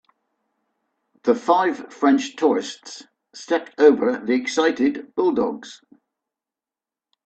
The five French tourists stepped over the excited bulldogs.